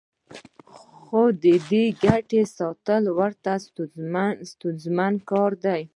خو د دې ګټې ساتل ورته ستونزمن کار دی